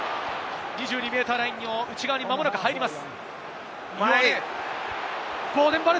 ２２ｍラインの内側にまもなく入ります。